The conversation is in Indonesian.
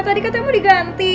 tadi kan kamu diganti